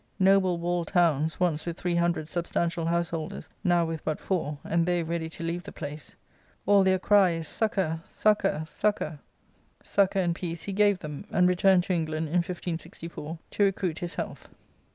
Noble walled towns, once with three hundred substantial house holders, now with but four, and they ready to leave the place. All their cry is " Succour ! succour ! succour !" Succour and peace he gave them, and returned to Eng land in 1564, to recruit his health.